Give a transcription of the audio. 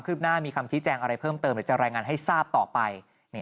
หน้ามีคำชี้แจงอะไรเพิ่มเติมเดี๋ยวจะรายงานให้ทราบต่อไป